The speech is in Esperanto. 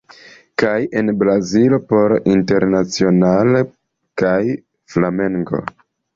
Kaj en Brazilo por Internacional kaj Flamengo.